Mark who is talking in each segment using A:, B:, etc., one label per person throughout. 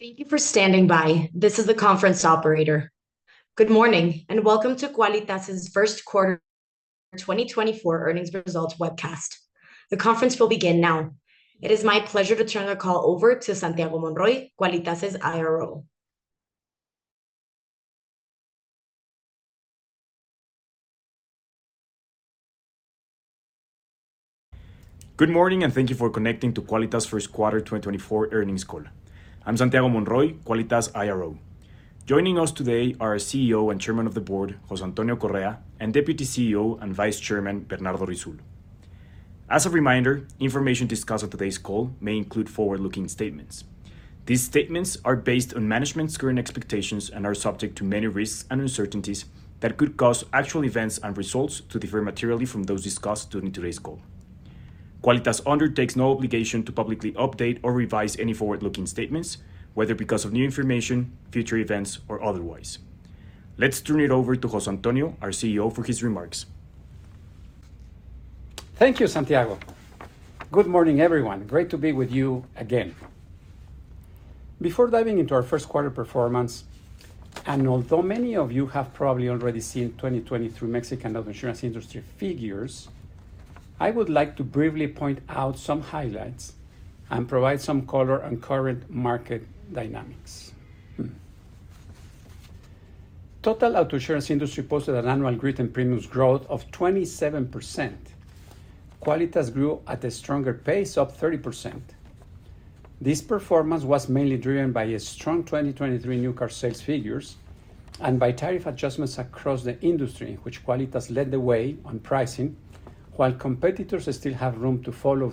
A: Thank you for standing by. This is the conference Operator. Good morning and welcome to Quálitas's first quarter 2024 earnings results webcast. The conference will begin now. It is my pleasure to turn the call over to Santiago Monroy, Quálitas's IRO.
B: Good morning and thank you for connecting to Quálitas's first quarter 2024 earnings call. I'm Santiago Monroy, Quálitas IRO. Joining us today are CEO and Chairman of the Board José Antonio Correa and Deputy CEO and Vice Chairman Bernardo Risoul. As a reminder, information discussed on today's call may include forward-looking statements. These statements are based on management's current expectations and are subject to many risks and uncertainties that could cause actual events and results to differ materially from those discussed during today's call. Quálitas undertakes no obligation to publicly update or revise any forward-looking statements, whether because of new information, future events, or otherwise. Let's turn it over to José Antonio, our CEO, for his remarks.
C: Thank you, Santiago. Good morning, everyone. Great to be with you again. Before diving into our first quarter performance, and although many of you have probably already seen 2023 Mexican auto insurance industry figures, I would like to briefly point out some highlights and provide some color on current market dynamics. Total auto insurance industry posted an annual growth in premiums of 27%. Quálitas grew at a stronger pace, up 30%. This performance was mainly driven by strong 2023 new car sales figures and by tariff adjustments across the industry, in which Quálitas led the way on pricing, while competitors still have room to follow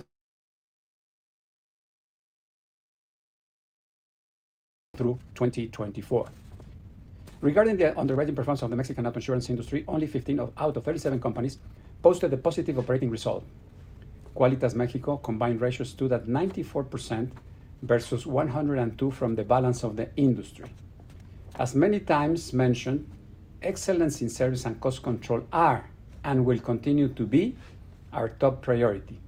C: through 2024. Regarding the underwriting performance of the Mexican auto insurance industry, only 15 out of 37 companies posted a positive operating result. Quálitas Mexico combined ratios stood at 94% versus 102% from the balance of the industry. As many times mentioned, excellence in service and cost control are and will continue to be our top priority.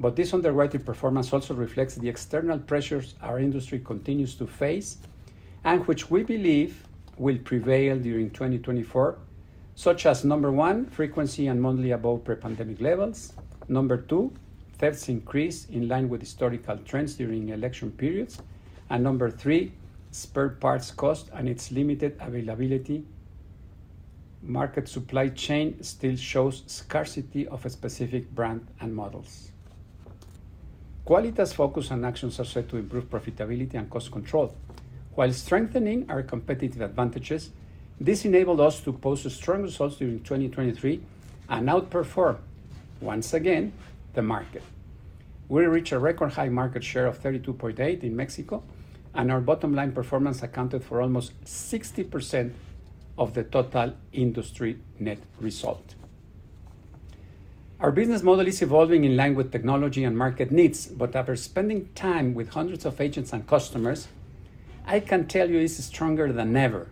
C: But this underwriting performance also reflects the external pressures our industry continues to face and which we believe will prevail during 2024, such as: number one, frequency and monthly above pre-pandemic levels; number two, theft's increase in line with historical trends during election periods; and number three, spare parts cost and its limited availability. Market supply chain still shows scarcity of specific brands and models. Quálitas's focus and actions are set to improve profitability and cost control while strengthening our competitive advantages. This enabled us to post strong results during 2023 and outperform, once again, the market. We reached a record high market share of 32.8% in Mexico, and our bottom line performance accounted for almost 60% of the total industry net result. Our business model is evolving in line with technology and market needs, but after spending time with hundreds of agents and customers, I can tell you it's stronger than ever.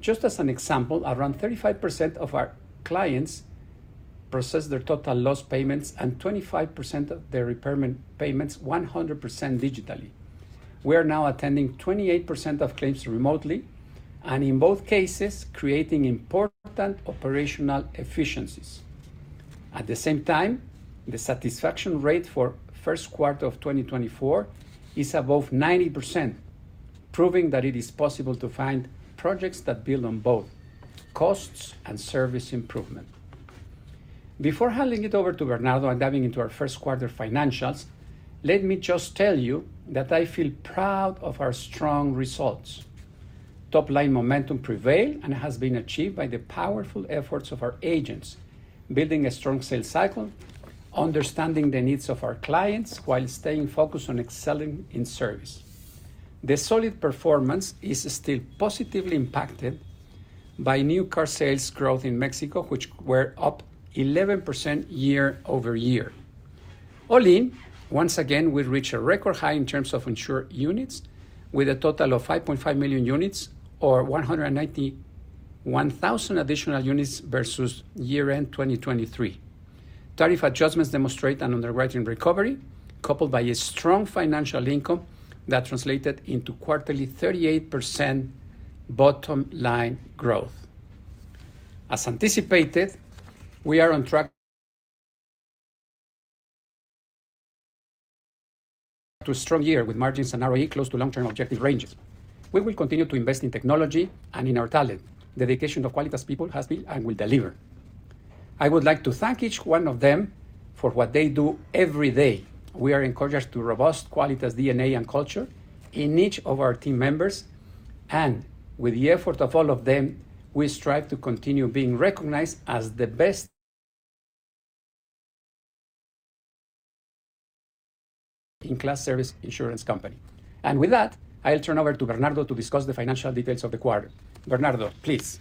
C: Just as an example, around 35% of our clients process their total loss payments and 25% of their repair payments 100% digitally. We are now attending 28% of claims remotely and, in both cases, creating important operational efficiencies. At the same time, the satisfaction rate for first quarter of 2024 is above 90%, proving that it is possible to find projects that build on both costs and service improvement. Before handing it over to Bernardo and diving into our first quarter financials, let me just tell you that I feel proud of our strong results. Top-line momentum prevailed and has been achieved by the powerful efforts of our agents, building a strong sales cycle, understanding the needs of our clients, while staying focused on excelling in service. The solid performance is still positively impacted by new car sales growth in Mexico, which were up 11% year-over-year. All in, once again, we reach a record high in terms of insured units, with a total of 5.5 million units or 191,000 additional units year-end 2023. Tariff adjustments demonstrate an underwriting recovery coupled by a strong financial income that translated into quarterly 38% bottom line growth. As anticipated, we are on track to a strong year with margins and ROE close to long-term objective ranges. We will continue to invest in technology and in our talent. Dedication of Quálitas people has been and will deliver. I would like to thank each one of them for what they do every day. We encourage robust Quálitas DNA and culture in each of our team members, and with the effort of all of them, we strive to continue being recognized as the best-in-class service insurance company. And with that, I'll turn over to Bernardo to discuss the financial details of the quarter. Bernardo, please.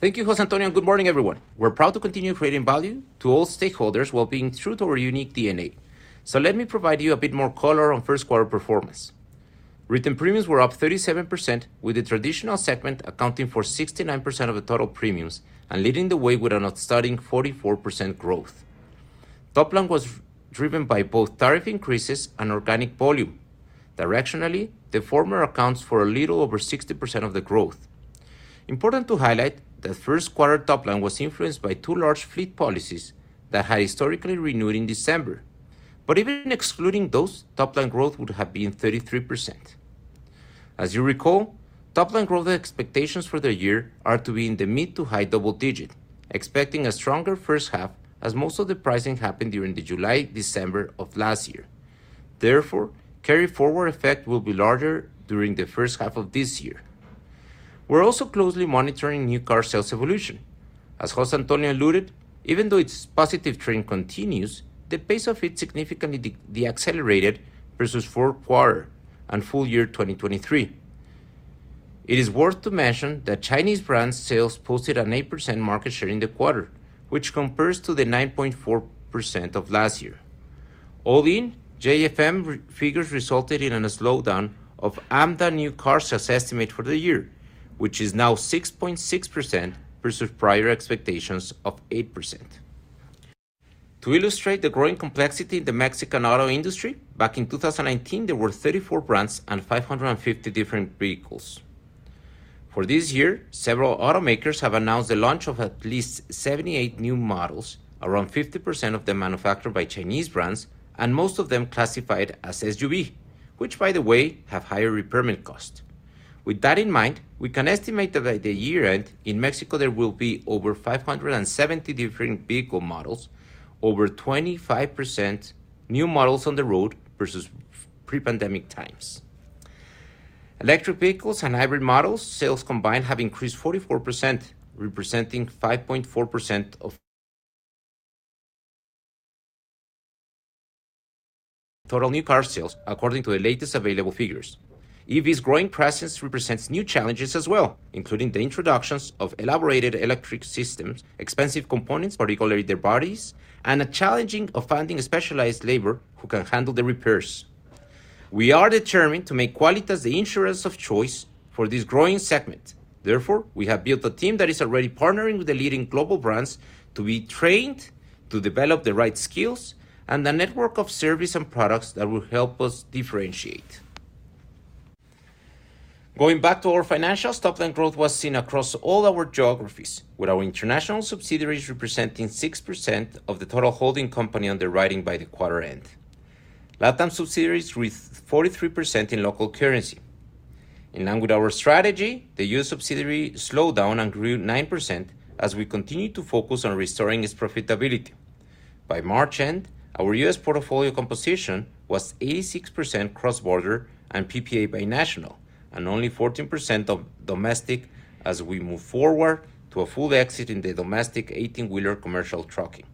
D: Thank you, José Antonio. Good morning, everyone. We're proud to continue creating value to all stakeholders while being true to our unique DNA. Let me provide you a bit more color on first quarter performance. Written premiums were up 37%, with the traditional segment accounting for 69% of the total premiums and leading the way with an outstanding 44% growth. Top line was driven by both tariff increases and organic volume. Directionally, the former accounts for a little over 60% of the growth. Important to highlight that first quarter top line was influenced by two large fleet policies that had historically renewed in December, but even excluding those, top line growth would have been 33%. As you recall, top line growth expectations for the year are to be in the mid to high double-digit, expecting a stronger first half as most of the pricing happened during the July-December of last year. Therefore, carry-forward effect will be larger during the first half of this year. We're also closely monitoring new car sales evolution. As José Antonio alluded, even though its positive trend continues, the pace of it significantly de-accelerated versus fourth quarter and full year 2023. It is worth to mention that Chinese brands' sales posted an 8% market share in the quarter, which compares to the 9.4% of last year. All in, JFM figures resulted in a slowdown of AMDA new car sales estimate for the year, which is now 6.6% versus prior expectations of 8%. To illustrate the growing complexity in the Mexican auto industry, back in 2019, there were 34 brands and 550 different vehicles. For this year, several automakers have announced the launch of at least 78 new models, around 50% of them manufactured by Chinese brands, and most of them classified as SUV, which, by the way, have higher repair costs. With that in mind, we can estimate that by year-end, in Mexico, there will be over 570 different vehicle models, over 25% new models on the road versus pre-pandemic times. Electric vehicles and hybrid models sales combined have increased 44%, representing 5.4% of total new car sales, according to the latest available figures. EVs' growing presence represents new challenges as well, including the introductions of elaborate electric systems, expensive components, particularly their batteries, and a challenging of finding of specialized labor who can handle the repairs. We are determined to make Quálitas the insurance of choice for this growing segment. Therefore, we have built a team that is already partnering with the leading global brands to be trained to develop the right skills and a network of service and products that will help us differentiate. Going back to our financials, top line growth was seen across all our geographies, with our international subsidiaries representing 6% of the total holding company underwriting by the quarter-end. LatAm subsidiaries reached 43% in local currency. In line with our strategy, the U.S. subsidiary slowed down and grew 9% as we continue to focus on restoring its profitability. By March-end, our U.S. portfolio composition was 86% cross-border and PPA binational, and only 14% domestic as we move forward to a full exit in the domestic 18-wheeler commercial trucking.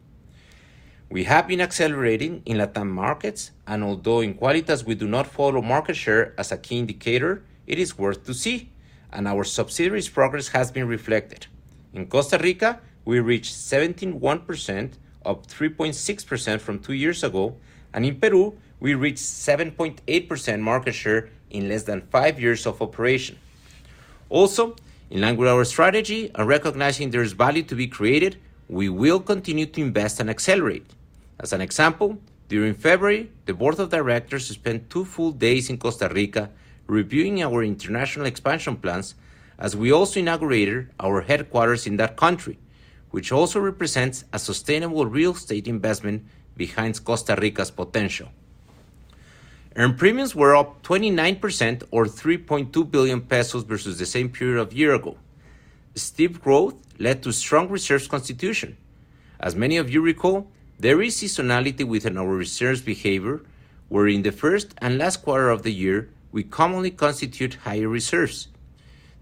D: We have been accelerating in LatAm markets, and although in Quálitas we do not follow market share as a key indicator, it is worth to see, and our subsidiaries' progress has been reflected. In Costa Rica, we reached 71%, up 3.6% from two years ago, and in Peru, we reached 7.8% market share in less than five years of operation. Also, in line with our strategy and recognizing there is value to be created, we will continue to invest and accelerate. As an example, during February, the board of directors spent two full days in Costa Rica reviewing our international expansion plans as we also inaugurated our headquarters in that country, which also represents a sustainable real estate investment behind Costa Rica's potential. Earned premiums were up 29%, or 3.2 billion pesos, versus the same period of a year ago. Steep growth led to strong reserve constitution. As many of you recall, there is seasonality within our reserve behavior, where in the first and last quarter of the year, we commonly constitute higher reserves.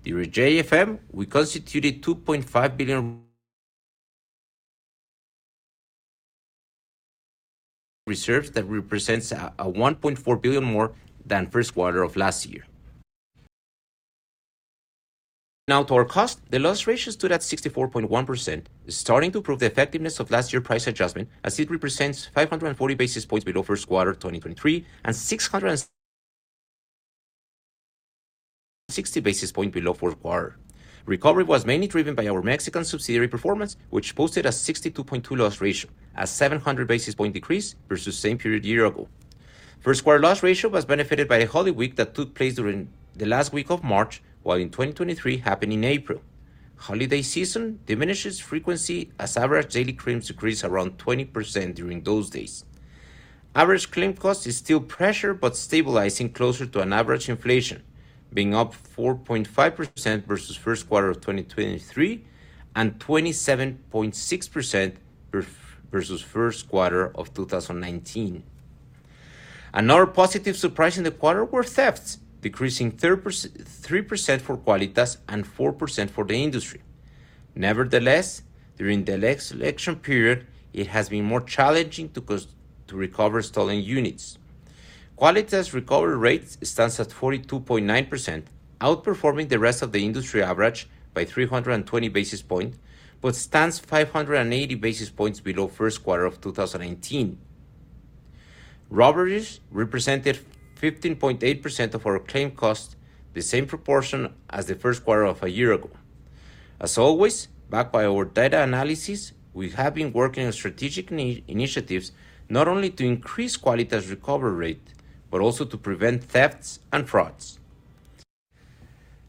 D: During JFM, we constituted 2.5 billion reserves that represents 1.4 billion more than first quarter of last year. Now to our cost, the loss ratios stood at 64.1%, starting to prove the effectiveness of last year's price adjustment as it represents 540 basis points below first quarter 2023 and 660 basis points below fourth quarter. Recovery was mainly driven by our Mexican subsidiary performance, which posted a 62.2% loss ratio, a 700 basis point decrease versus same period year ago. First quarter loss ratio was benefited by a holiday week that took place during the last week of March while in 2023 happened in April. Holiday season diminishes frequency as average daily claims decrease around 20% during those days. Average claim cost is still pressure but stabilizing closer to an average inflation, being up 4.5% versus first quarter of 2023 and 27.6% versus first quarter of 2019. Another positive surprise in the quarter were thefts, decreasing 3% for Quálitas and 4% for the industry. Nevertheless, during the election period, it has been more challenging to recover stolen units. Quálitas' recovery rate stands at 42.9%, outperforming the rest of the industry average by 320 basis points, but stands 580 basis points below first quarter of 2019. Robberies represented 15.8% of our claim cost, the same proportion as the first quarter of a year ago. As always, backed by our data analysis, we have been working on strategic initiatives not only to increase Quálitas' recovery rate but also to prevent thefts and frauds.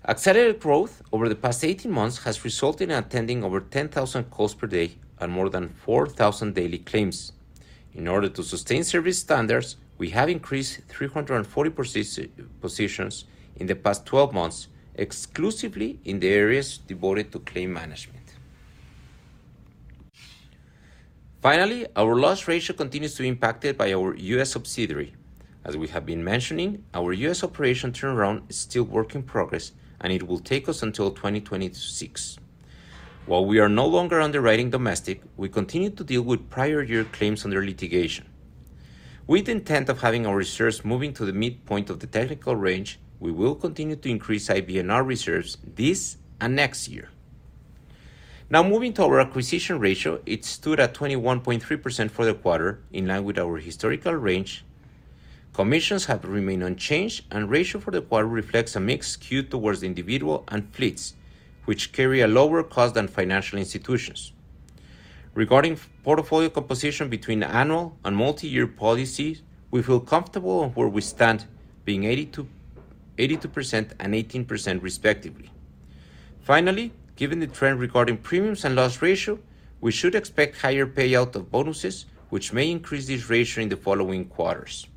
D: Accelerated growth over the past 18 months has resulted in attending over 10,000 calls per day and more than 4,000 daily claims. In order to sustain service standards, we have increased 340 positions in the past 12 months exclusively in the areas devoted to claim management. Finally, our loss ratio continues to be impacted by our U.S. subsidiary. As we have been mentioning, our U.S. operation turnaround is still a work in progress, and it will take us until 2026. While we are no longer underwriting domestic, we continue to deal with prior year claims under litigation. With the intent of having our reserves moving to the midpoint of the technical range, we will continue to increase IBNR reserves this and next year. Now moving to our acquisition ratio, it stood at 21.3% for the quarter, in line with our historical range. Commissions have remained unchanged, and ratio for the quarter reflects a mixed skew towards the individual and fleets, which carry a lower cost than financial institutions. Regarding portfolio composition between annual and multi-year policies, we feel comfortable on where we stand, being 82% and 18%, respectively. Finally, given the trend regarding premiums and loss ratio, we should expect higher payout of bonuses, which may increase this ratio in the following quarters.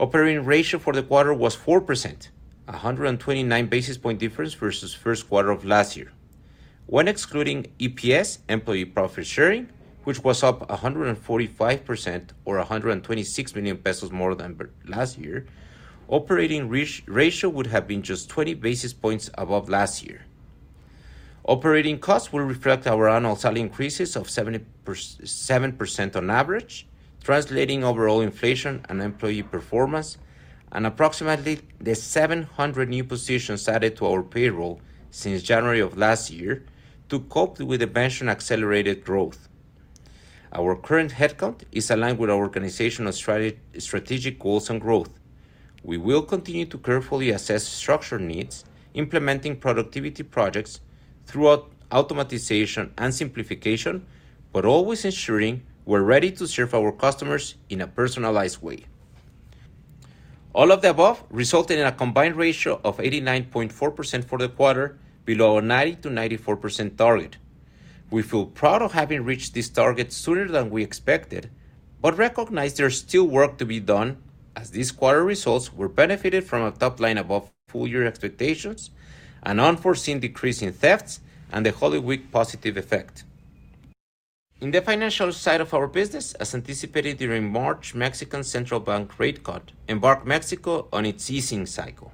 D: Operating ratio for the quarter was 4%, a 129 basis point difference versus first quarter of last year. When excluding EPS, employee profit sharing, which was up 145%, or 126 million pesos more than last year, operating ratio would have been just 20 basis points above last year. Operating costs will reflect our annual salary increases of 7% on average, translating overall inflation and employee performance, and approximately the 700 new positions added to our payroll since January of last year to cope with the mentioned accelerated growth. Our current headcount is aligned with our organization's strategic goals and growth. We will continue to carefully assess structure needs, implementing productivity projects throughout automation and simplification, but always ensuring we're ready to serve our customers in a personalized way. All of the above resulted in a combined ratio of 89.4% for the quarter, below our 90%-94% target. We feel proud of having reached this target sooner than we expected, but recognize there's still work to be done as this quarter results were benefited from a top line above full year expectations, an unforeseen decrease in thefts, and the holiday week positive effect. In the financial side of our business, as anticipated during March Mexican Central Bank rate cut, embarked Mexico on its easing cycle.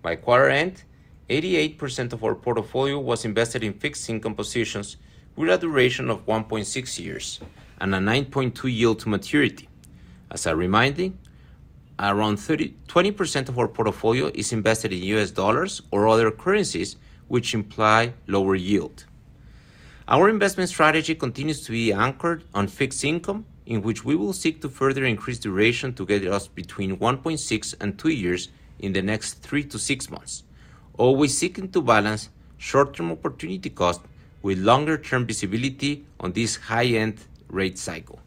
D: By quarter-end, 88% of our portfolio was invested in fixed income positions with a duration of 1.6 years and a 9.2 yield to maturity. As a reminder, around 20% of our portfolio is invested in U.S. dollars or other currencies, which imply lower yield. Our investment strategy continues to be anchored on fixed income, in which we will seek to further increase duration to get us between 1.6 years-2 years in the next 3 months-6 months, always seeking to balance short-term opportunity cost with longer-term visibility on this high-end rate cycle.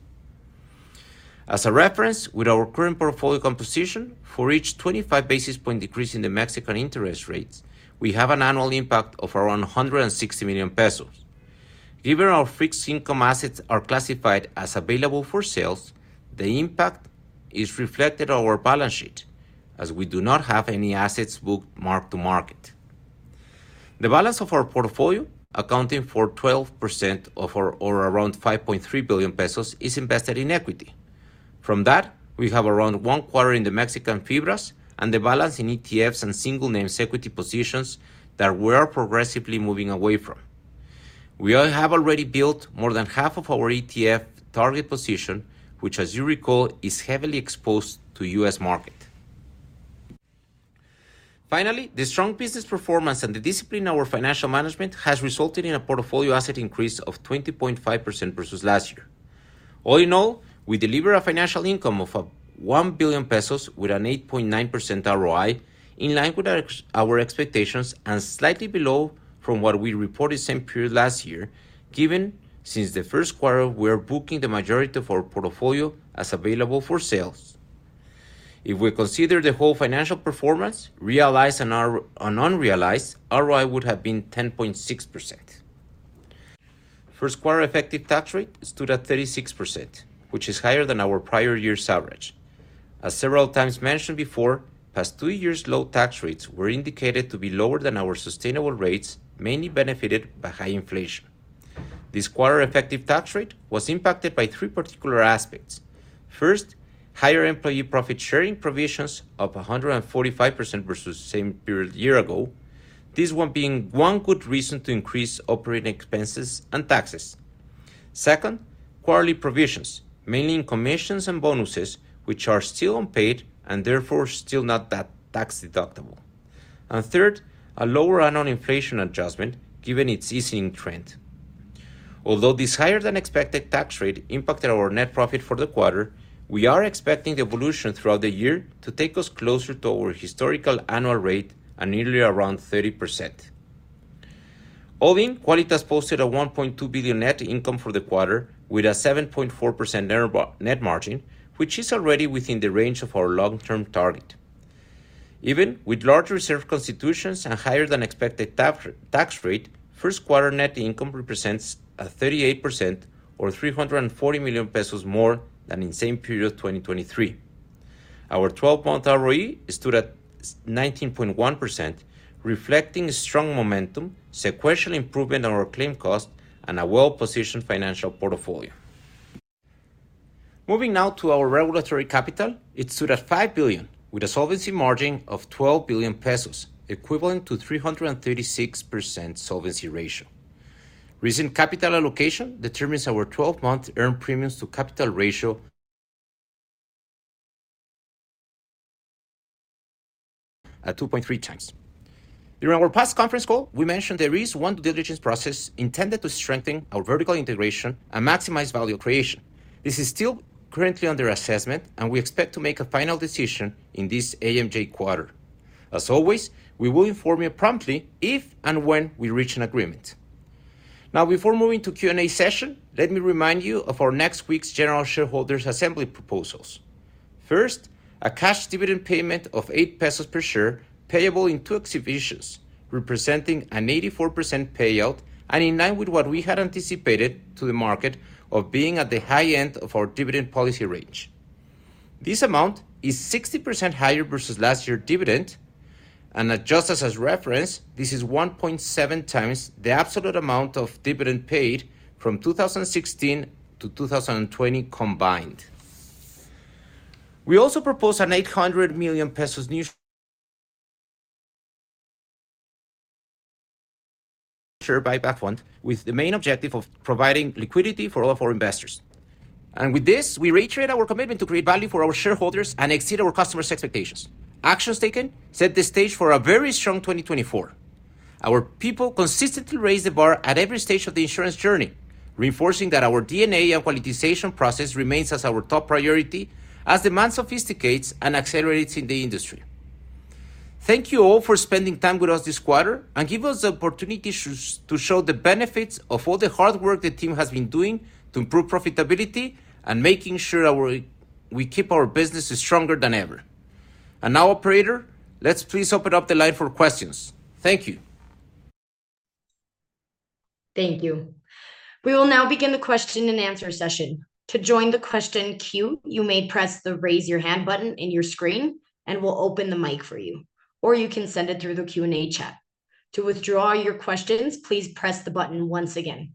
D: As a reference, with our current portfolio composition, for each 25 basis point decrease in the Mexican interest rates, we have an annual impact of around 160 million pesos. Given our fixed income assets are classified as available for sale, the impact is reflected on our balance sheet, as we do not have any assets booked mark-to-market. The balance of our portfolio, accounting for 12% of around 5.3 billion pesos, is invested in equity. From that, we have around one quarter in the Mexican FIBRAs and the balance in ETFs and single-named equity positions that we are progressively moving away from. We have already built more than half of our ETF target position, which, as you recall, is heavily exposed to the U.S. market. Finally, the strong business performance and the discipline in our financial management has resulted in a portfolio asset increase of 20.5% versus last year. All in all, we deliver a financial income of 1 billion pesos with an 8.9% ROI, in line with our expectations and slightly below from what we reported same period last year, given since the first quarter we are booking the majority of our portfolio as available for sale. If we consider the whole financial performance, realized and unrealized, ROI would have been 10.6%. First quarter effective tax rate stood at 36%, which is higher than our prior year's average. As several times mentioned before, past two years' low tax rates were indicated to be lower than our sustainable rates, mainly benefited by high inflation. This quarter effective tax rate was impacted by three particular aspects. First, higher employee profit sharing provisions of 145% versus same period year ago, this one being one good reason to increase operating expenses and taxes. Second, quarterly provisions, mainly in commissions and bonuses, which are still unpaid and therefore still not that tax deductible. And third, a lower annual inflation adjustment, given its easing trend. Although this higher-than-expected tax rate impacted our net profit for the quarter, we are expecting the evolution throughout the year to take us closer to our historical annual rate and nearly around 30%. All in, Quálitas posted 1.2 billion net income for the quarter with a 7.4% net margin, which is already within the range of our long-term target. Even with large reserve constitutions and higher-than-expected tax rate, first quarter net income represents 38%, or 340 million pesos, more than in same period 2023. Our 12-month ROE stood at 19.1%, reflecting strong momentum, sequential improvement on our claim cost, and a well-positioned financial portfolio. Moving now to our regulatory capital, it stood at 5 billion with a solvency margin of 12 billion pesos, equivalent to 336% solvency ratio. Recent capital allocation determines our 12-month earned premiums to capital ratio at 2.3x. During our past conference call, we mentioned there is one due diligence process intended to strengthen our vertical integration and maximize value creation. This is still currently under assessment, and we expect to make a final decision in this AMJ quarter. As always, we will inform you promptly if and when we reach an agreement. Now, before moving to Q&A session, let me remind you of our next week's general shareholders' assembly proposals. First, a cash dividend payment of 8 pesos per share, payable in two installments, representing an 84% payout and in line with what we had anticipated to the market of being at the high end of our dividend policy range. This amount is 60% higher versus last year's dividend, and just as a reference, this is 1.7x the absolute amount of dividend paid from 2016-2020 combined. We also propose an 800 million pesos new share buyback, with the main objective of providing liquidity for all of our investors. And with this, we reiterate our commitment to create value for our shareholders and exceed our customers' expectations. Actions taken set the stage for a very strong 2024. Our people consistently raise the bar at every stage of the insurance journey, reinforcing that our DNA and qualitization process remains as our top priority as demand sophisticates and accelerates in the industry. Thank you all for spending time with us this quarter and give us the opportunity to show the benefits of all the hard work the team has been doing to improve profitability and making sure we keep our business stronger than ever. Now, operator, let's please open up the line for questions. Thank you.
A: Thank you. We will now begin the question and answer session. To join the question queue, you may press the Raise Your Hand button in your screen, and we'll open the mic for you, or you can send it through the Q&A chat. To withdraw your questions, please press the button once again.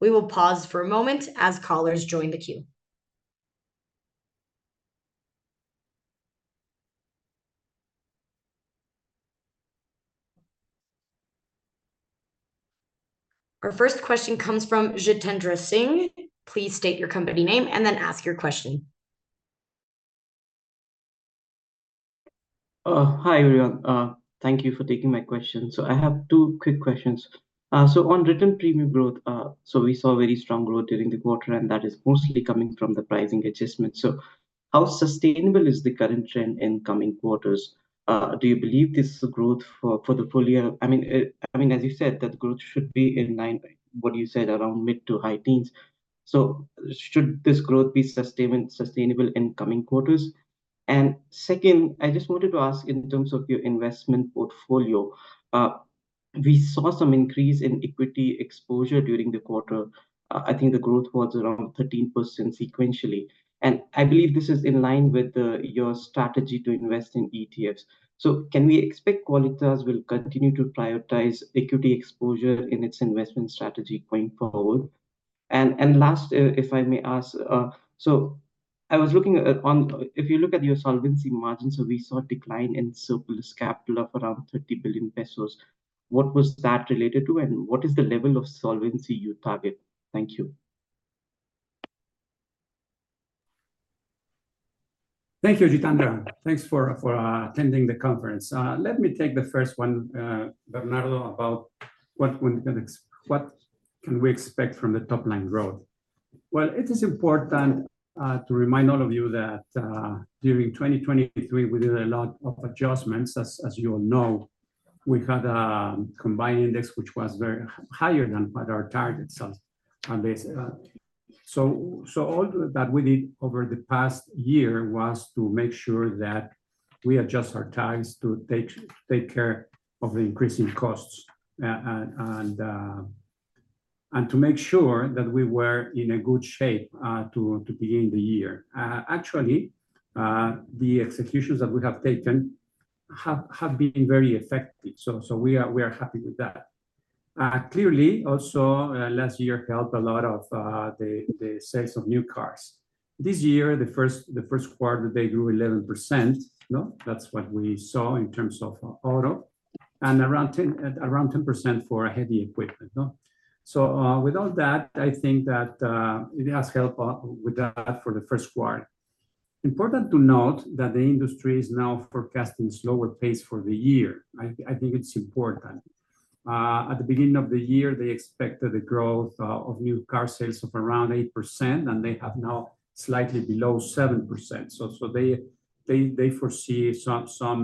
A: We will pause for a moment as callers join the queue. Our first question comes from Jitendra Singh. Please state your company name and then ask your question.
E: Hi, everyone. Thank you for taking my question. So I have two quick questions. So on written premium growth, we saw very strong growth during the quarter, and that is mostly coming from the pricing adjustments. So how sustainable is the current trend in coming quarters? Do you believe this growth for the full year? I mean, as you said, that growth should be in what you said, around mid to high teens. So should this growth be sustainable in coming quarters? And second, I just wanted to ask in terms of your investment portfolio. We saw some increase in equity exposure during the quarter. I think the growth was around 13% sequentially. And I believe this is in line with your strategy to invest in ETFs. So can we expect Quálitas will continue to prioritize equity exposure in its investment strategy going forward? And last, if I may ask, so I was looking on if you look at your solvency margins, so we saw a decline in surplus capital of around 30 billion pesos. What was that related to, and what is the level of solvency you target? Thank you.
C: Thank you, Jitendra. Thanks for attending the conference. Let me take the first one, Bernardo, about what can we expect from the top line growth. Well, it is important to remind all of you that during 2023, we did a lot of adjustments. As you all know, we had a combined ratio, which was higher than what our target is. So all that we did over the past year was to make sure that we adjust our tags to take care of the increasing costs and to make sure that we were in a good shape to begin the year. Actually, the executions that we have taken have been very effective. So we are happy with that. Clearly, also, last year helped a lot of the sales of new cars. This year, the first quarter, they grew 11%. That's what we saw in terms of auto and around 10% for heavy equipment. So with all that, I think that it has helped with that for the first quarter. Important to note that the industry is now forecasting slower pace for the year. I think it's important. At the beginning of the year, they expected the growth of new car sales of around 8%, and they have now slightly below 7%. So they foresee some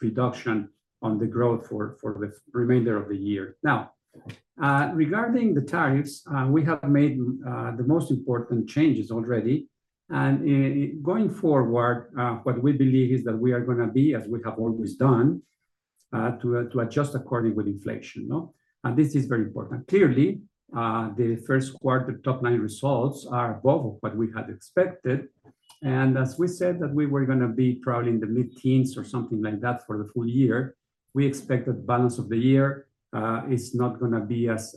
C: reduction on the growth for the remainder of the year. Now, regarding the tariffs, we have made the most important changes already. And going forward, what we believe is that we are going to be, as we have always done, to adjust according with inflation. And this is very important. Clearly, the first quarter top line results are above what we had expected. And as we said that we were going to be probably in the mid-teens or something like that for the full year, we expect that balance of the year is not going to be as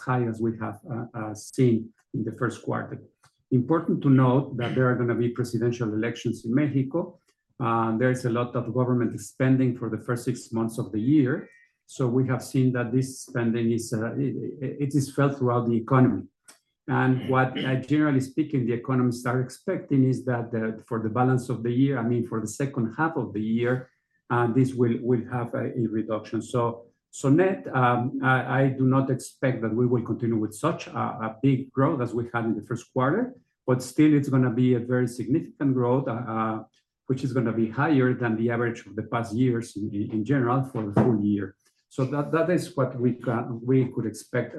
C: high as we have seen in the first quarter. Important to note that there are going to be presidential elections in Mexico. There is a lot of government spending for the first six months of the year. So we have seen that this spending is felt throughout the economy. And what, generally speaking, the economists are expecting is that for the balance of the year, I mean, for the second half of the year, this will have a reduction. So net, I do not expect that we will continue with such a big growth as we had in the first quarter. But still, it's going to be a very significant growth, which is going to be higher than the average of the past years in general for the full year. So that is what we could expect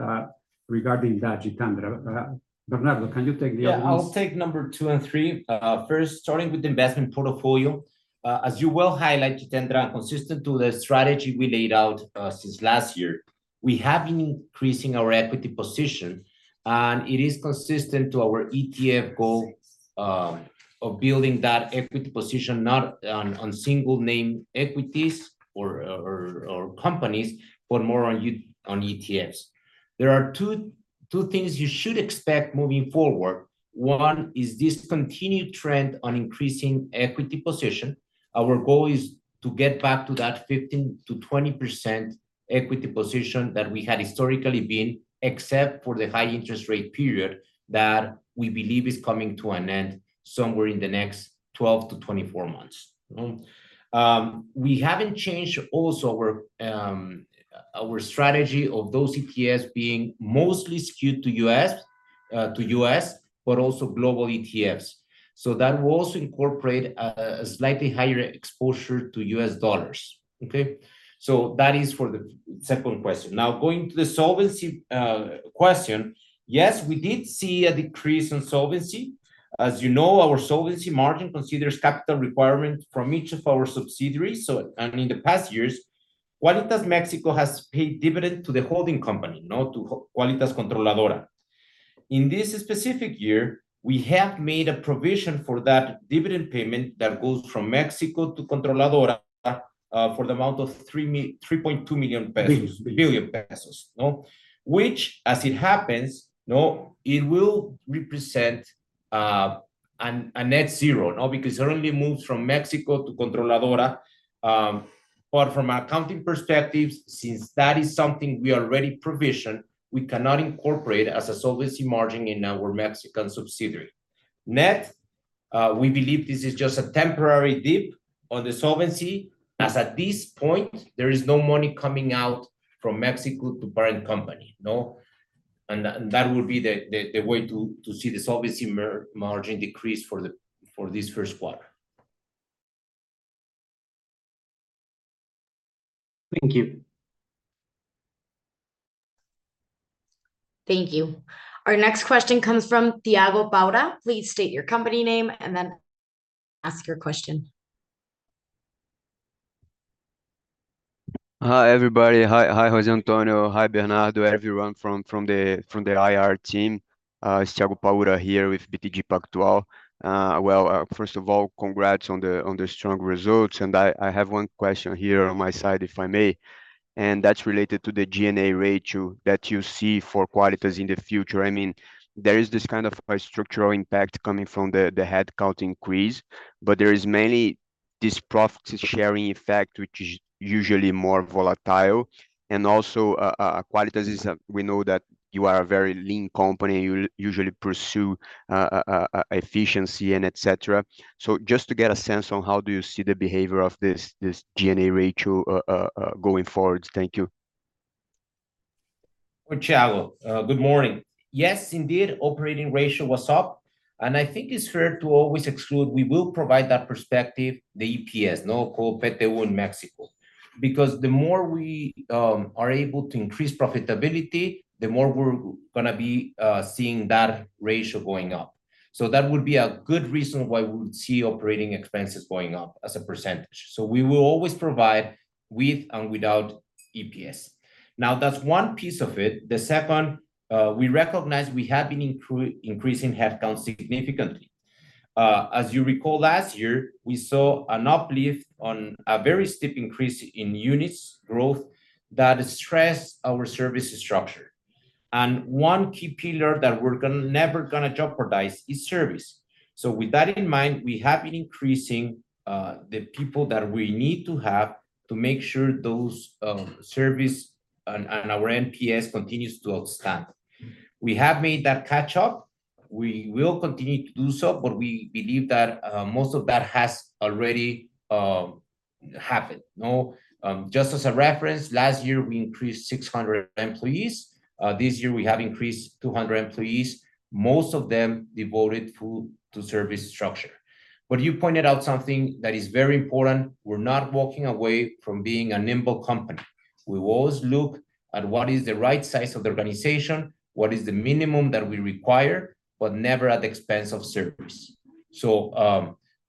C: regarding that, Jitendra. Bernardo, can you take the other ones?
D: Yeah, I'll take number two and three. First, starting with the investment portfolio. As you well highlight, Jitendra, and consistent to the strategy we laid out since last year, we have been increasing our equity position. It is consistent to our ETF goal of building that equity position, not on single-name equities or companies, but more on ETFs. There are two things you should expect moving forward. One is this continued trend on increasing equity position. Our goal is to get back to that 15%-20% equity position that we had historically been, except for the high-interest rate period that we believe is coming to an end somewhere in the next 12 months-24 months. We haven't changed also our strategy of those ETFs being mostly skewed to U.S., but also global ETFs. So that will also incorporate a slightly higher exposure to U.S. dollars. Okay? So that is for the second question. Now, going to the solvency question, yes, we did see a decrease in solvency. As you know, our solvency margin considers capital requirement from each of our subsidiaries. In the past years, Quálitas México has paid dividend to the holding company, Quálitas Controladora. In this specific year, we have made a provision for that dividend payment that goes from Mexico to Controladora for the amount of 3.2 billion pesos, which, as it happens, it will represent a net zero because it only moves from Mexico to Controladora. But from an accounting perspective, since that is something we already provisioned, we cannot incorporate as a solvency margin in our Mexican subsidiary. Net, we believe this is just a temporary dip on the solvency. As at this point, there is no money coming out from Mexico to parent company. And that would be the way to see the solvency margin decrease for this first quarter.
E: Thank you.
A: Thank you. Our next question comes from Tiago Paula. Please state your company name and then ask your question.
F: Hi, everybody. Hi, José Antonio. Hi, Bernardo, everyone from the IR team. It's Tiago Paula here with BTG Pactual. Well, first of all, congrats on the strong results. And I have one question here on my side, if I may, and that's related to the G&A ratio that you see for Quálitas in the future. I mean, there is this kind of a structural impact coming from the headcount increase, but there is mainly this profit sharing effect, which is usually more volatile. And also, Quálitas, we know that you are a very lean company. You usually pursue efficiency and etc. So just to get a sense on how do you see the behavior of this G&A ratio going forward. Thank you.
D: Well, Tiago, good morning. Yes, indeed, operating ratio was up. And I think it's fair to always exclude. We will provide that perspective, the EPS, Mexico, because the more we are able to increase profitability, the more we're going to be seeing that ratio going up. So that would be a good reason why we would see operating expenses going up as a percentage. So we will always provide with and without EPS. Now, that's one piece of it. The second, we recognize we have been increasing headcount significantly. As you recall, last year, we saw an uplift on a very steep increase in units growth that stressed our service structure. And one key pillar that we're never going to jeopardize is service. So with that in mind, we have been increasing the people that we need to have to make sure that service and our NPS continues to outstand. We have made that catch-up. We will continue to do so, but we believe that most of that has already happened. Just as a reference, last year, we increased 600 employees. This year, we have increased 200 employees, most of them devoted to service structure. But you pointed out something that is very important. We're not walking away from being a nimble company. We will always look at what is the right size of the organization, what is the minimum that we require, but never at the expense of service.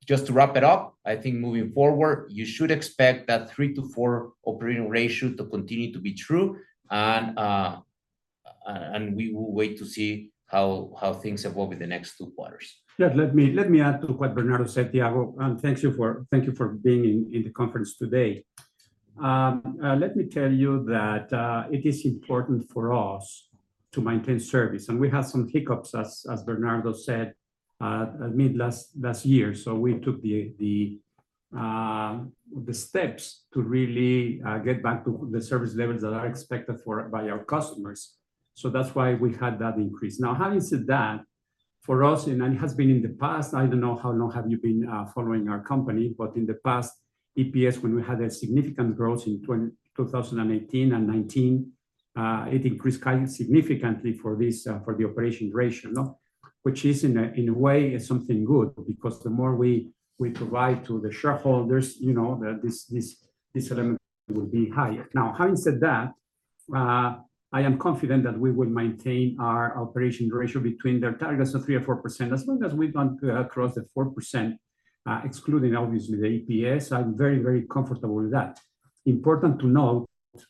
D: Just to wrap it up, I think moving forward, you should expect that 3%-4% operating ratio to continue to be true. We will wait to see how things evolve in the next two quarters.
C: Yeah, let me add to what Bernardo said, Tiago. And thank you for being in the conference today. Let me tell you that it is important for us to maintain service. We had some hiccups, as Bernardo said, I mean, last year. We took the steps to really get back to the service levels that are expected by our customers. That's why we had that increase. Now, having said that, for us, it has been in the past. I don't know how long you have been following our company, but in the past, EPS, when we had significant growth in 2018 and 2019, it increased significantly for the operating ratio, which is, in a way, something good because the more we provide to the shareholders, this element will be higher. Now, having said that, I am confident that we will maintain our operating ratio between their targets of 3% or 4% as long as we don't cross the 4%, excluding, obviously, the EPS. I'm very, very comfortable with that. Important to note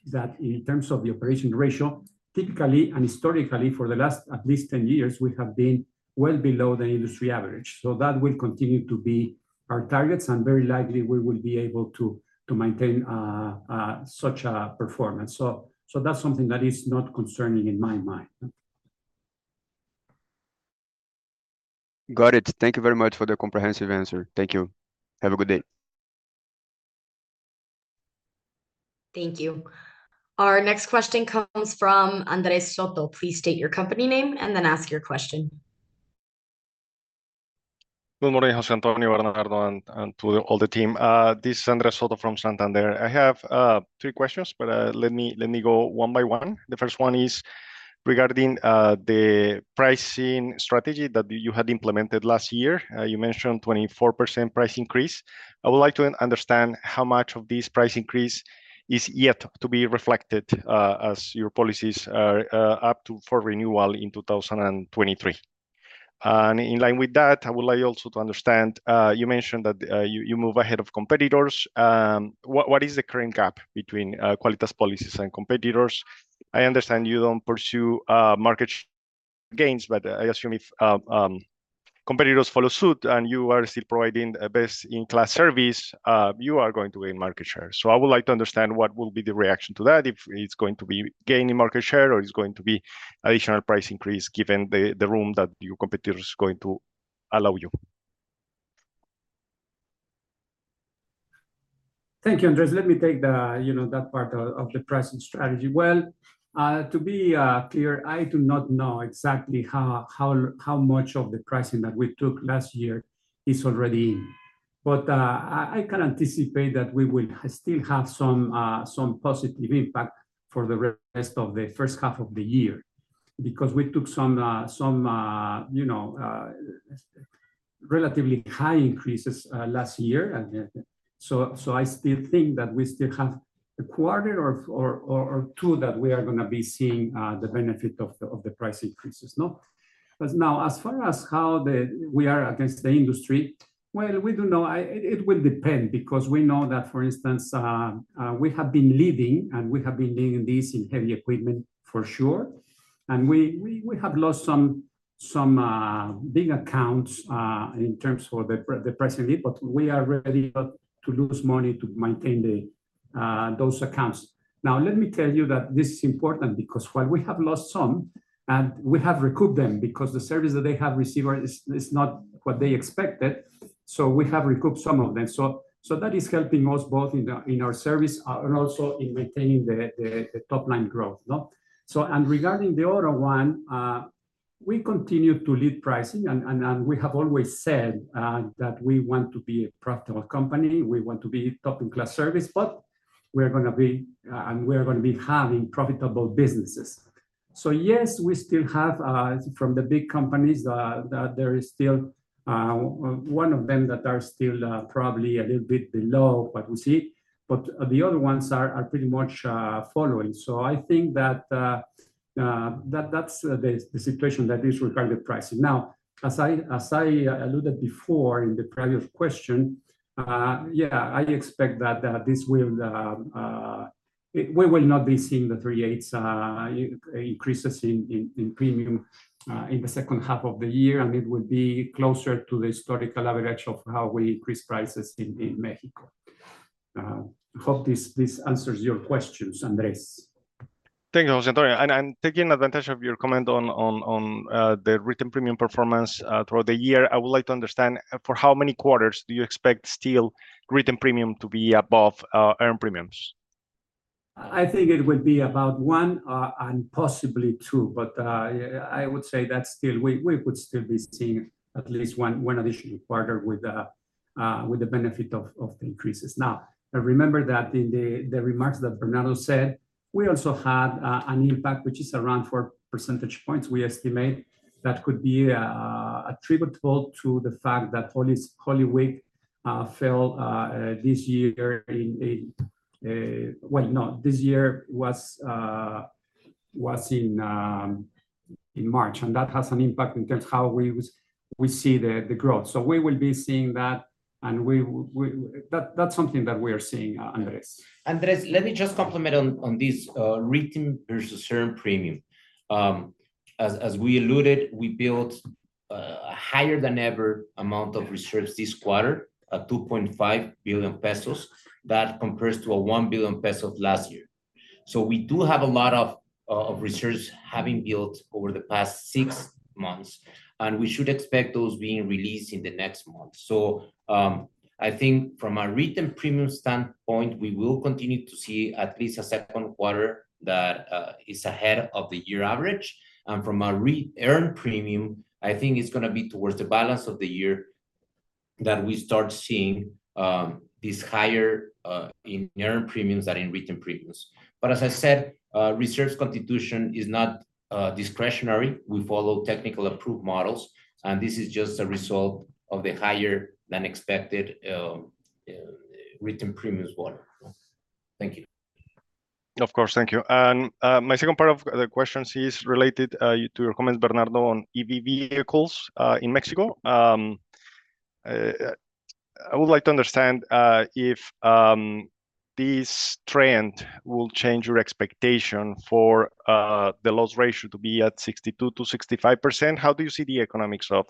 C: that in terms of the operating ratio, typically and historically, for the last at least 10 years, we have been well below the industry average. So that will continue to be our targets. And very likely, we will be able to maintain such a performance. So that's something that is not concerning in my mind.
F: Got it. Thank you very much for the comprehensive answer. Thank you. Have a good day.
A: Thank you. Our next question comes from Andres Soto. Please state your company name and then ask your question.
G: Good morning, José Antonio, Bernardo, and to all the team. This is Andres Soto from Santander. I have three questions, but let me go one by one. The first one is regarding the pricing strategy that you had implemented last year. You mentioned 24% price increase. I would like to understand how much of this price increase is yet to be reflected as your policies are up for renewal in 2023. In line with that, I would like also to understand you mentioned that you move ahead of competitors. What is the current gap between Quálitas policies and competitors? I understand you don't pursue market share gains, but I assume if competitors follow suit and you are still providing best-in-class service, you are going to gain market share. I would like to understand what will be the reaction to that, if it's going to be gain in market share or it's going to be additional price increase given the room that your competitors are going to allow you.
C: Thank you, Andres. Let me take that part of the pricing strategy. Well, to be clear, I do not know exactly how much of the pricing that we took last year is already in. But I can anticipate that we will still have some positive impact for the rest of the first half of the year because we took some relatively high increases last year. I still think that we still have a quarter or two that we are going to be seeing the benefit of the price increases. Now, as far as how we are against the industry, well, we do know it will depend because we know that, for instance, we have been leading, and we have been leading this in heavy equipment, for sure. We have lost some big accounts in terms of the pricing lead, but we are ready to lose money to maintain those accounts. Now, let me tell you that this is important because while we have lost some, we have recouped them because the service that they have received is not what they expected. We have recouped some of them. That is helping us both in our service and also in maintaining the top line growth. Regarding the other one, we continue to lead pricing. We have always said that we want to be a profitable company. We want to be top-in-class service, but we are going to be and we are going to be having profitable businesses. So yes, we still have from the big companies, there is still one of them that are still probably a little bit below what we see. But the other ones are pretty much following. So I think that that's the situation that is regarding pricing. Now, as I alluded before in the previous question, yeah, I expect that this will we will not be seeing the 3/8 increases in premium in the second half of the year. And it will be closer to the historical average of how we increase prices in Mexico. I hope this answers your questions, Andres.
G: Thank you, José Antonio. Taking advantage of your comment on the written premium performance throughout the year, I would like to understand, for how many quarters do you expect still written premium to be above earned premiums?
C: I think it would be about one and possibly two. But I would say that we would still be seeing at least one additional quarter with the benefit of the increases. Now, remember that in the remarks that Bernardo said, we also had an impact, which is around 4 percentage points we estimate that could be attributable to the fact that Holy Week fell this year in well, no, this year was in March. And that has an impact in terms of how we see the growth. So we will be seeing that. And that's something that we are seeing, Andres.
D: Andres, let me just comment on this written versus earned premium. As we alluded, we built a higher than ever amount of reserves this quarter, 2.5 billion pesos, that compares to 1 billion pesos last year. So we do have a lot of reserves having built over the past six months. And we should expect those being released in the next month. So I think from a written premium standpoint, we will continue to see at least a second quarter that is ahead of the year average. And from an earned premium, I think it's going to be towards the balance of the year that we start seeing this higher in earned premiums than in written premiums. But as I said, reserve constitution is not discretionary. We follow technical-approved models. And this is just a result of the higher-than-expected written premiums model. Thank you.
G: Of course. Thank you. My second part of the questions is related to your comments, Bernardo, on EV vehicles in Mexico. I would like to understand if this trend will change your expectation for the loss ratio to be at 62%-65%. How do you see the economics of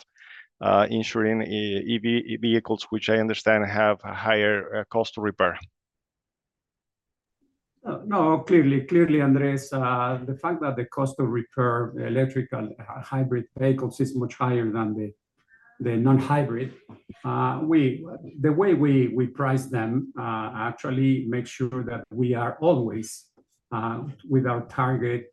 G: insuring EV vehicles, which I understand have a higher cost to repair?
C: No, clearly, Andres, the fact that the cost to repair electrical hybrid vehicles is much higher than the non-hybrid, the way we price them actually makes sure that we are always with our target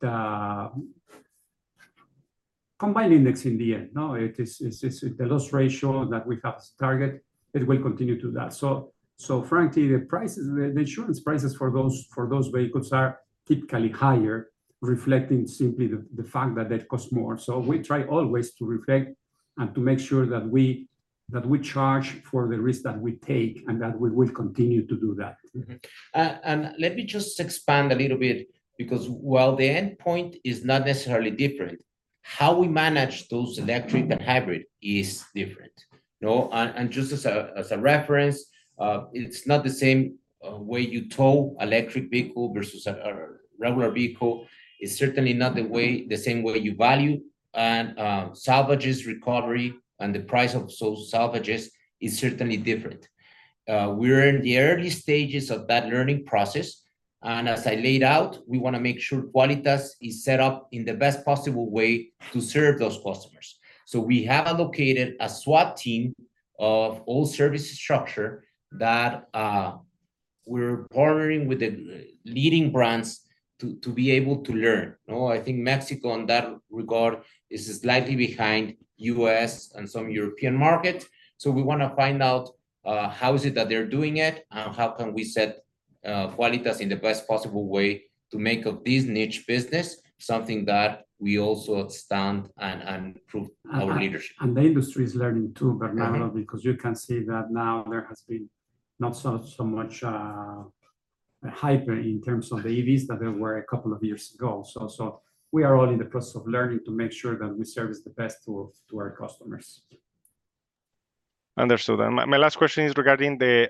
C: combined index in the end. The loss ratio that we have as a target, it will continue to that. So frankly, the insurance prices for those vehicles are typically higher, reflecting simply the fact that they cost more. So we try always to reflect and to make sure that we charge for the risk that we take and that we will continue to do that.
D: And let me just expand a little bit because while the endpoint is not necessarily different, how we manage those electric and hybrid is different. And just as a reference, it's not the same way you tow electric vehicle versus a regular vehicle. It's certainly not the same way you value salvages, recovery, and the price of those salvages is certainly different. We're in the early stages of that learning process. And as I laid out, we want to make sure Quálitas is set up in the best possible way to serve those customers. So we have allocated a SWAT team of all service structure that we're partnering with the leading brands to be able to learn. I think Mexico, in that regard, is slightly behind the U.S. and some European markets. So we want to find out how is it that they're doing it and how can we set Quálitas in the best possible way to make of this niche business something that we also outstand and prove our leadership.
C: And the industry is learning too, Bernardo, because you can see that now there has been not so much hype in terms of the EVs that there were a couple of years ago. So we are all in the process of learning to make sure that we service the best to our customers.
G: Understood. And my last question is regarding the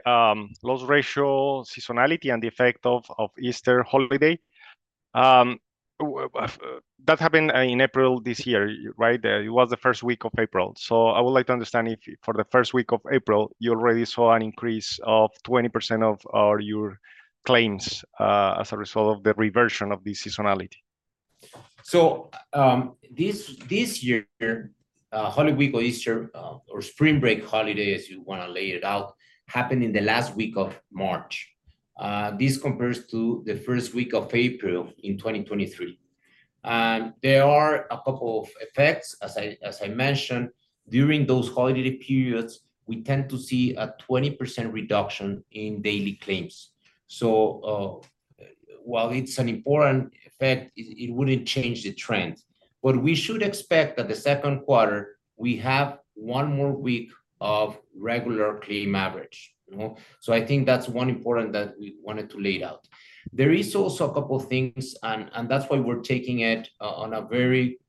G: loss ratio, seasonality, and the effect of Easter holiday. That happened in April this year, right? It was the first week of April. So I would like to understand if for the first week of April, you already saw an increase of 20% of your claims as a result of the reversion of this seasonality.
D: So this year, Holy Week or Easter or Spring Break holiday, as you want to lay it out, happened in the last week of March. This compares to the first week of April in 2023. There are a couple of effects. As I mentioned, during those holiday periods, we tend to see a 20% reduction in daily claims. So while it's an important effect, it wouldn't change the trend. But we should expect that the second quarter, we have one more week of regular claim average. So I think that's one important that we wanted to lay out. There is also a couple of things, and that's why we're taking it on a very,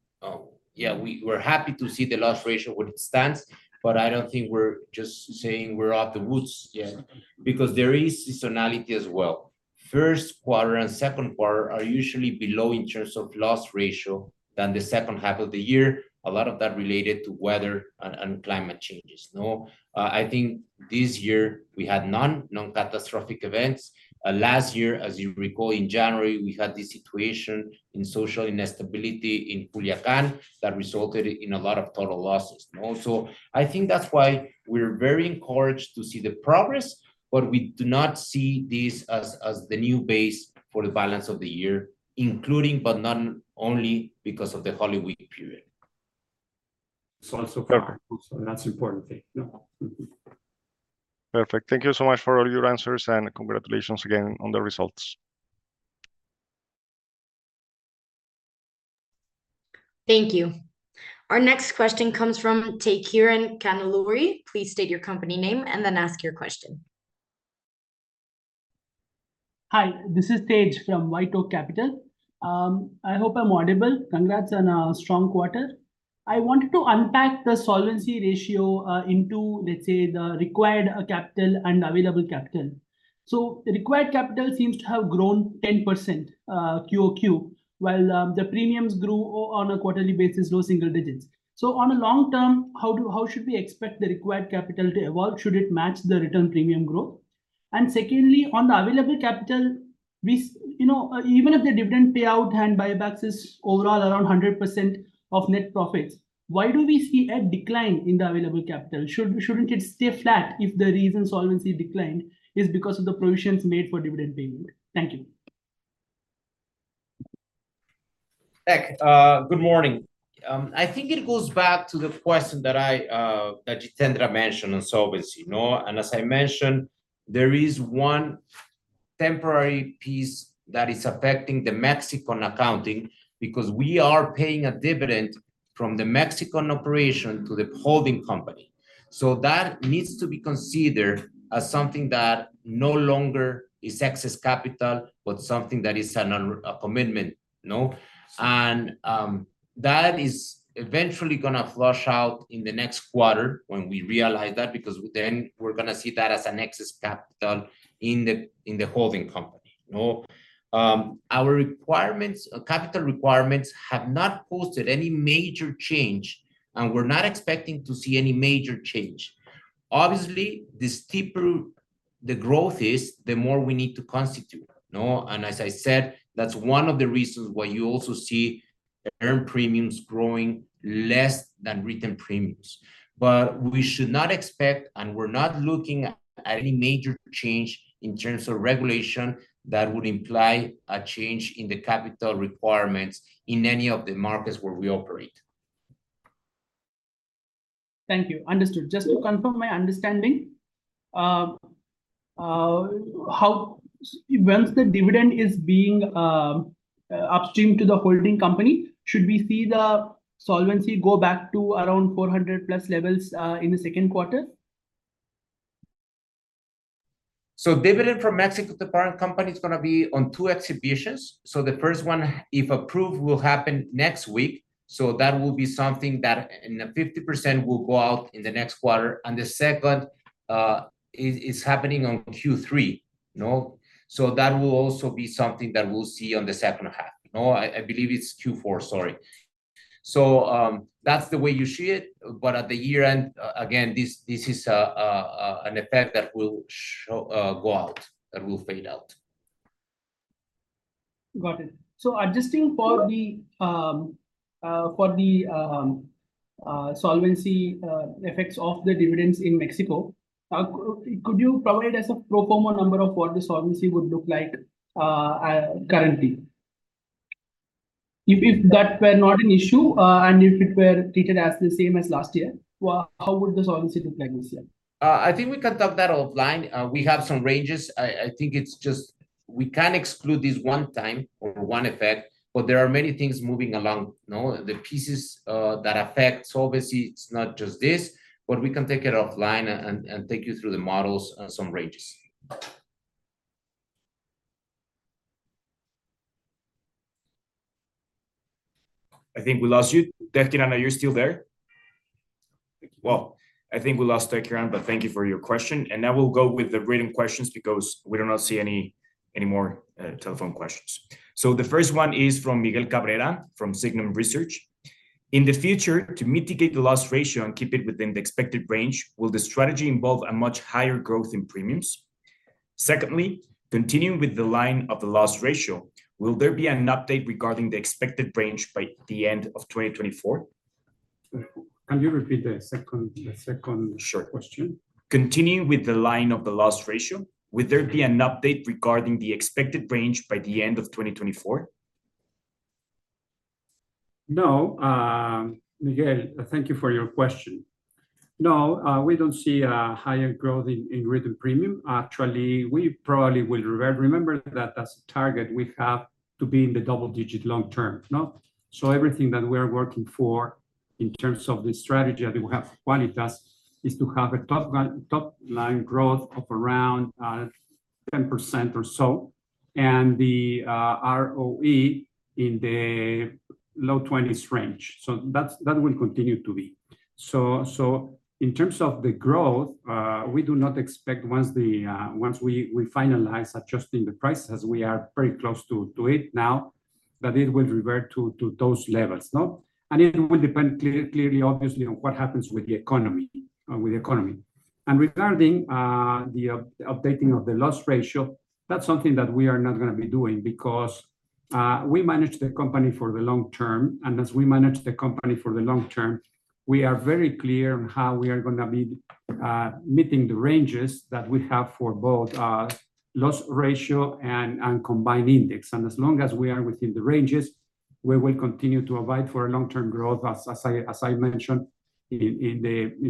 D: we're happy to see the loss ratio where it stands. But I don't think we're just saying we're out of the woods yet because there is seasonality as well. First quarter and second quarter are usually below in terms of loss ratio than the second half of the year. A lot of that related to weather and climate changes. I think this year, we had non-catastrophic events. Last year, as you recall, in January, we had this situation in social instability in Culiacán that resulted in a lot of total losses. So I think that's why we're very encouraged to see the progress, but we do not see this as the new base for the balance of the year, including but not only because of the Holy Week period.
C: So that's an important thing.
G: Perfect. Thank you so much for all your answers. Congratulations again on the results.
A: Thank you. Our next question comes from Tejkiran Kannalluri. Please state your company name and then ask your question.
H: Hi. This is Tej from WhiteOak Capital. I hope I'm audible. Congrats on a strong quarter. I wanted to unpack the solvency ratio into, let's say, the required capital and available capital. So required capital seems to have grown 10% QOQ, while the premiums grew on a quarterly basis, low single digits. So on a long-term, how should we expect the required capital to evolve? Should it match the return premium growth? And secondly, on the available capital, even if the dividend payout and buybacks is overall around 100% of net profits, why do we see a decline in the available capital? Shouldn't it stay flat if the reason solvency declined is because of the provisions made for dividend payment? Thank you.
D: Thank you. Good morning. I think it goes back to the question that Jitendra mentioned on solvency. And as I mentioned, there is one temporary piece that is affecting the Mexican accounting because we are paying a dividend from the Mexican operation to the holding company. So that needs to be considered as something that no longer is excess capital, but something that is a commitment. And that is eventually going to flush out in the next quarter when we realize that because then we're going to see that as an excess capital in the holding company. Our capital requirements have not posted any major change, and we're not expecting to see any major change. Obviously, the steeper the growth is, the more we need to constitute. As I said, that's one of the reasons why you also see earned premiums growing less than written premiums. But we should not expect, and we're not looking at any major change in terms of regulation that would imply a change in the capital requirements in any of the markets where we operate.
H: Thank you. Understood. Just to confirm my understanding, once the dividend is being upstreamed to the holding company, should we see the solvency go back to around 400+ levels in the second quarter?
D: So dividend from Mexico to parent company is going to be on two instalments. So the first one, if approved, will happen next week. So that will be something that 50% will go out in the next quarter. And the second is happening on Q3. So that will also be something that we'll see on the second half. I believe it's Q4, sorry. So that's the way you see it. But at the year-end, again, this is an effect that will go out, that will fade out.
H: Got it. So adjusting for the solvency effects of the dividends in Mexico, could you provide as a pro forma number of what the solvency would look like currently? If that were not an issue and if it were treated as the same as last year, how would the solvency look like this year?
D: I think we can talk that offline. We have some ranges. I think it's just we can't exclude this one time or one effect. But there are many things moving along. The pieces that affect solvency, it's not just this. But we can take it offline and take you through the models and some ranges.
B: I think we lost you. Tejkiran, are you still there? Well, I think we lost Tejkiran, but thank you for your question. And now we'll go with the written questions because we do not see any more telephone questions. So the first one is from Miguel Cabrera from Signum Research. In the future, to mitigate the loss ratio and keep it within the expected range, will the strategy involve a much higher growth in premiums? Secondly, continuing with the line of the loss ratio, will there be an update regarding the expected range by the end of 2024?
C: Can you repeat the second question?
B: Sure. Continuing with the line of the loss ratio, would there be an update regarding the expected range by the end of 2024?
C: No, Miguel, thank you for your question. No, we don't see a higher growth in written premium. Actually, we probably will remember that as a target, we have to be in the double-digit long term. So everything that we are working for in terms of the strategy that we have with Quálitas is to have a top line growth of around 10% or so and the ROE in the low 20s range. So that will continue to be. So in terms of the growth, we do not expect once we finalize adjusting the prices, as we are very close to it now, that it will revert to those levels. And it will depend clearly, obviously, on what happens with the economy. And regarding the updating of the loss ratio, that's something that we are not going to be doing because we manage the company for the long term. As we manage the company for the long term, we are very clear on how we are going to be meeting the ranges that we have for both loss ratio and combined ratio. And as long as we are within the ranges, we will continue to abide for a long-term growth, as I mentioned, in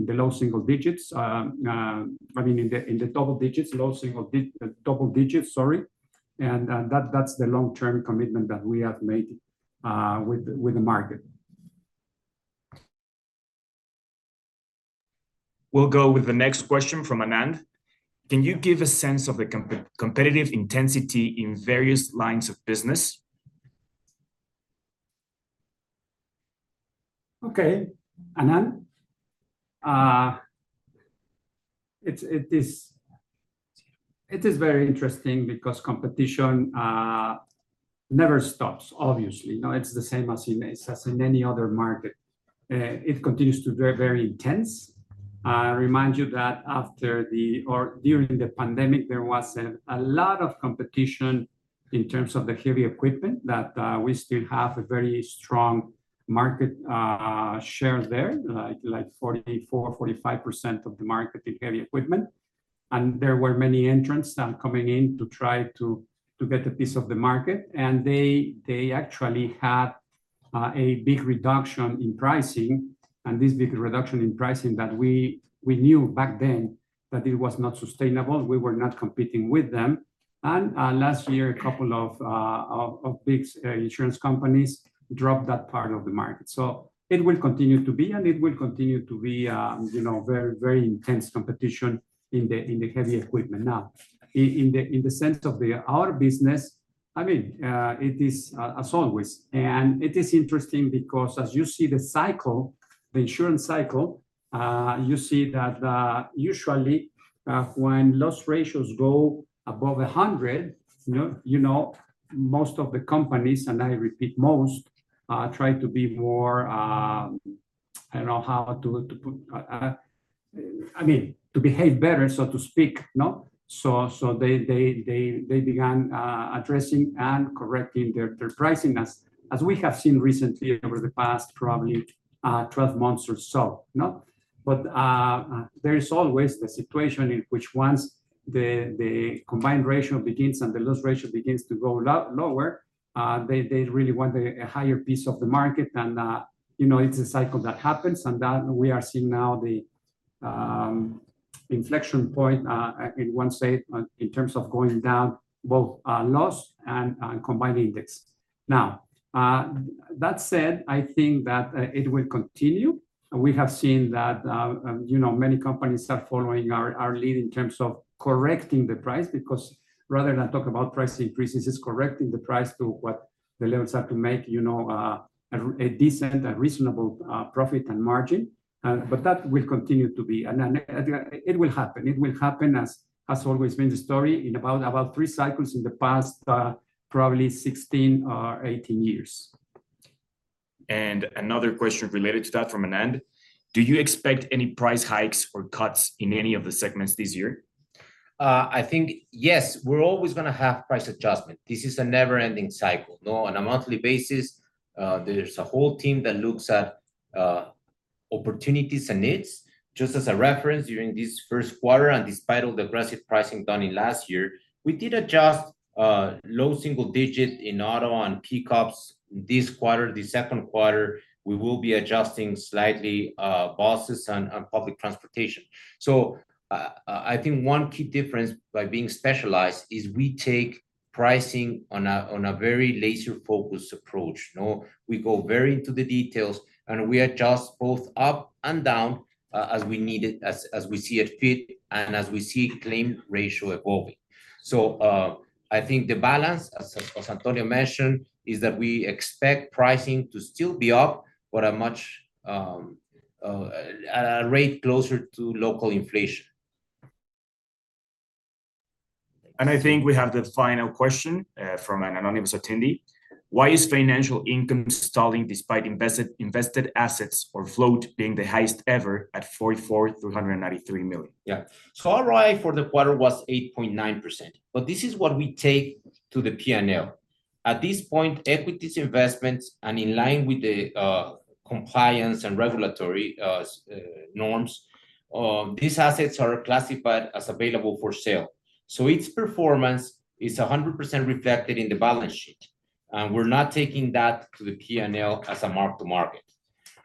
C: the low single digits I mean, in the double digits, low single double digits, sorry. And that's the long-term commitment that we have made with the market.
B: We'll go with the next question from Anand. Can you give a sense of the competitive intensity in various lines of business?
C: Okay. Anand? It is very interesting because competition never stops, obviously. It's the same as in any other market. It continues to be very intense. I remind you that during the pandemic, there was a lot of competition in terms of the heavy equipment that we still have a very strong market share there, like 44%-45% of the market in heavy equipment. And there were many entrants coming in to try to get a piece of the market. And they actually had a big reduction in pricing. And this big reduction in pricing that we knew back then that it was not sustainable. We were not competing with them. And last year, a couple of big insurance companies dropped that part of the market. So it will continue to be, and it will continue to be very, very intense competition in the heavy equipment now. In the sense of our business, I mean, it is as always. And it is interesting because as you see the cycle, the insurance cycle, you see that usually, when loss ratios go above 100, most of the companies, and I repeat, most, try to be more I don't know how to put I mean, to behave better, so to speak. So they began addressing and correcting their pricing as we have seen recently over the past probably 12 months or so. But there is always the situation in which once the combined ratio begins and the loss ratio begins to go lower, they really want a higher piece of the market. And it's a cycle that happens. And we are seeing now the inflection point, one say, in terms of going down both loss and combined index. Now, that said, I think that it will continue. We have seen that many companies are following our lead in terms of correcting the price because rather than talk about price increases, it's correcting the price to what the levels are to make a decent and reasonable profit and margin. But that will continue to be. And it will happen. It will happen, as it's always been the story, in about three cycles in the past probably 16 or 18 years.
B: And another question related to that from Anand. Do you expect any price hikes or cuts in any of the segments this year?
D: I think, yes, we're always going to have price adjustment. This is a never-ending cycle. On a monthly basis, there's a whole team that looks at opportunities and needs. Just as a reference, during this first quarter, and despite all the aggressive pricing done in last year, we did adjust low single digit in auto and pickups this quarter. This second quarter, we will be adjusting slightly buses and public transportation. So I think one key difference by being specialized is we take pricing on a very laser-focused approach. We go very into the details, and we adjust both up and down as we need it, as we see it fit, and as we see claim ratio evolving. So I think the balance, as Antonio mentioned, is that we expect pricing to still be up, but at a much rate closer to local inflation.
B: And I think we have the final question from an anonymous attendee. Why is financial income stalling despite invested assets or float being the highest ever at 44,393 million?
D: Yeah. ROE for the quarter was 8.9%. But this is what we take to the P&L. At this point, equities investments, and in line with the compliance and regulatory norms, these assets are classified as available for sale. So its performance is 100% reflected in the balance sheet. And we're not taking that to the P&L as a mark-to-market.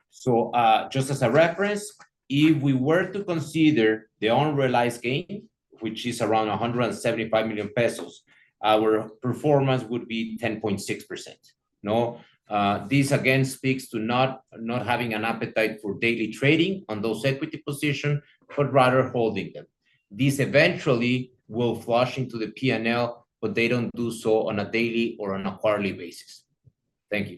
D: So just as a reference, if we were to consider the unrealized gain, which is around 175 million pesos, our performance would be 10.6%. This, again, speaks to not having an appetite for daily trading on those equity positions, but rather holding them. These eventually will flush into the P&L, but they don't do so on a daily or on a quarterly basis. Thank you.